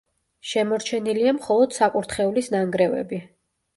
შემორჩენილია მხოლოდ საკურთხევლის ნანგრევები.